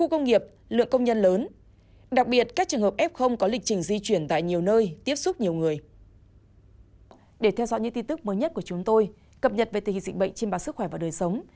cảm nhận về tình hình dịch bệnh trên bản sức khỏe và đời sống